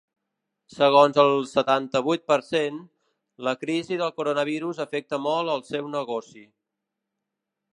Segons el setanta-vuit per cent, la crisi del coronavirus afecta molt el seu negoci.